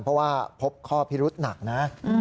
เพราะว่าพบข้อพิรุษหนักนะ